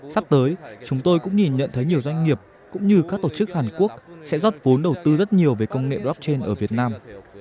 sắp tới chúng tôi cũng nhìn nhận thấy nhiều doanh nghiệp cũng như các tổ chức hàn quốc sẽ rót vốn đầu tư rất nhiều về công nghệ blockchain ở việt nam